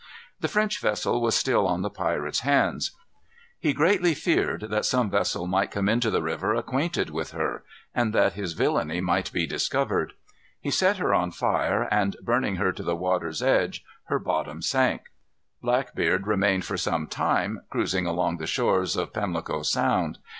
The French vessel was still on the pirate's hands. He greatly feared that some vessel might come into the river acquainted with her, and that his villany might be discovered. He set her on fire and burning her to the water's edge, her bottom sunk. Blackbeard remained for some time cruising along the shores of Pamlico Sound.